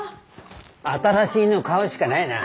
新しいの買うしかないな。